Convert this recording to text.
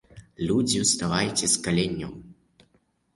Людзі, уставайце з каленяў!